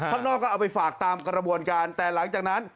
ข้างนอกก็เอาไปฝากตามกระบวนการแต่หลังจากนั้น